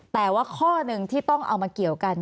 แต่ว่าข้อหนึ่งที่ต้องเอามาเกี่ยวกัน